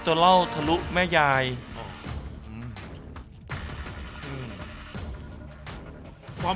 ซุปไก่เมื่อผ่านการต้มก็จะเข้มขึ้น